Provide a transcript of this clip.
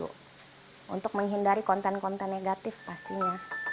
untuk menghindari konten konten negatif pastinya